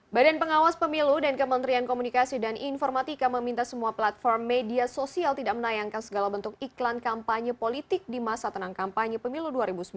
badan pengawas pemilu dan kementerian komunikasi dan informatika meminta semua platform media sosial tidak menayangkan segala bentuk iklan kampanye politik di masa tenang kampanye pemilu dua ribu sembilan belas